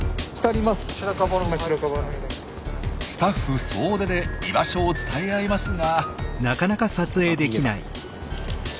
スタッフ総出で居場所を伝え合いますが。